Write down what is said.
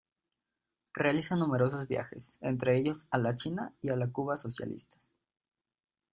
Realiza numerosos viajes, entre ellos a la China y a la Cuba socialistas.